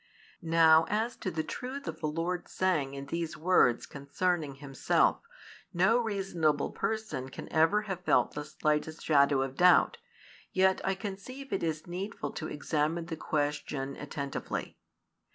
Now as to the truth of the Lord's saying in these words concerning Himself, no reasonable person can ever have felt the slightest shadow of doubt; yet I conceive it is needful to examine the question attentively.